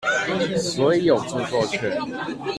所以有著作權